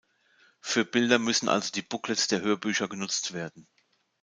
Für Bilder müssen also die Booklets der Hörbücher genutzt werden.